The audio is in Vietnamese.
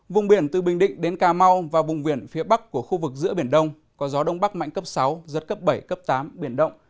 vùng biển từ bình định đến cà mau và vùng biển phía bắc của khu vực giữa biển đông có gió đông bắc mạnh cấp sáu giật cấp bảy cấp tám biển động